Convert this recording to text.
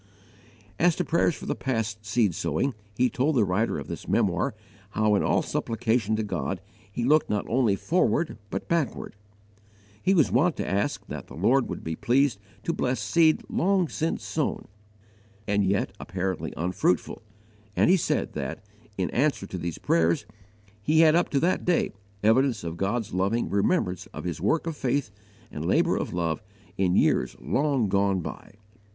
As to prayers for past seed sowing, he told the writer of this memoir how in all supplication to God he looked not only forward but backward. He was wont to ask that the Lord would be pleased to bless seed long since sown and yet apparently unfruitful; and he said that, in answer to these prayers, he had up to that day evidence of God's loving remembrance of his work of faith and labour of love in years long gone by.